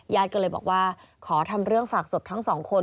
ญาติก็เลยบอกว่าขอทำเรื่องฝากศพทั้งสองคน